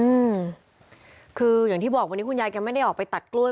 อืมคืออย่างที่บอกวันนี้คุณยายแกไม่ได้ออกไปตัดกล้วย